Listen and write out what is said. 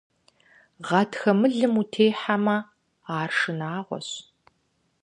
Гъатхэ мылым утемыхьэ, ар шынагъуэщ.